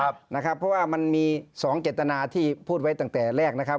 เพราะว่ามันมี๒เจตนาที่พูดไว้ตั้งแต่แรกนะครับ